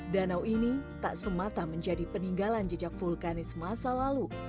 danau ini tak semata menjadi peninggalan jejak vulkanis masa lalu